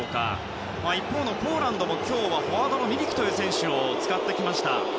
一方のポーランドも今日はフォワードのミリクという選手を使ってきました。